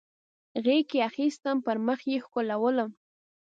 غیږ کې اخیستم پر مخ یې ښکلولم